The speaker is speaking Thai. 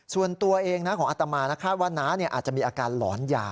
ส่วนตัวเองของอัตมาวันนี้อาจจะมีอาการหลอนหยา